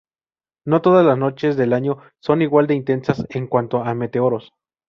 No todas las noches del año son igual de intensas en cuanto a meteoros.